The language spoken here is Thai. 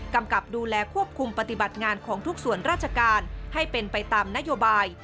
กำกับดูแลควบคุมปฏิบัติงานของทุกส่วนราชการให้เป็นไปตามนโยบาย